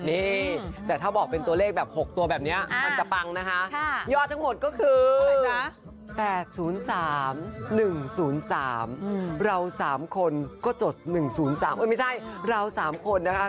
นี่แต่ถ้าบอกเป็นตัวเลขแบบ๖ตัวแบบนี้มันจะปังนะคะยอดทั้งหมดก็คืออะไรนะ๘๐๓๑๐๓เรา๓คนก็จด๑๐๓ไม่ใช่เรา๓คนนะคะ